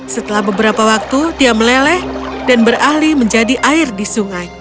setelah beberapa waktu dia meleleh dan beralih menjadi air di sungai